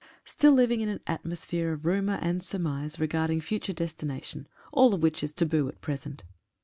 TILL living in an atmosphere of rumour and sur mise re future destination, all of which is taboo at present.